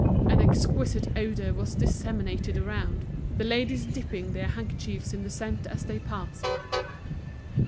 An exquisite odor was disseminated around, the ladies dipping their handkerchiefs in the scent as they passed.